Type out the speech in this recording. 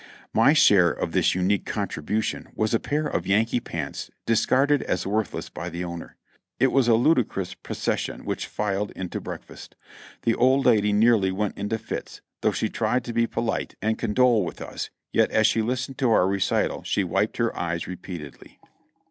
My share of this unique contribution was a pair of Yankee pants discarded as worthless by the owner. It was a ludicrous procession which filed into breakfast. The old lady nearly went into fits, though she tried to be polite and con dole with us, yet as she listened to our recital she wiped her eyes repeatedly.